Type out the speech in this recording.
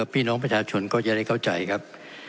ท่านประธานที่ขอรับครับ